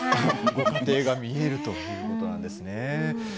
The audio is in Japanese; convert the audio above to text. ご家庭が見えるということなんですね。